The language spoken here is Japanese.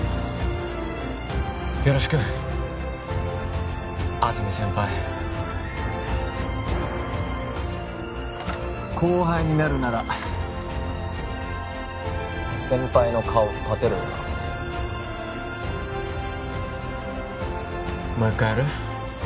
よろしく安積先輩後輩になるなら先輩の顔立てろよなもう一回やる？